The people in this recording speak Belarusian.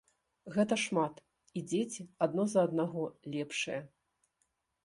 Гэта шмат, і дзеці адно за аднаго лепшыя.